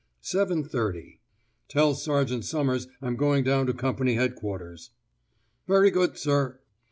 7.30. 'Tell Sergeant Summers I'm going down to Company Headquarters.' 'Very good, sir.